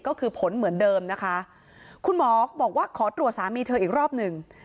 ก็คือผลเหมือนเดิมนะคะคุณหมอบอกว่าขอตรวจสามีเธออีกรอบหนึ่ง